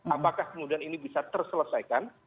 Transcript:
apakah kemudian ini bisa terselesaikan